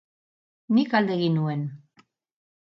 Nik alde egin nuen.